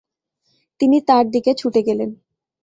তিনি তার দিকে ছুটে গেলেন।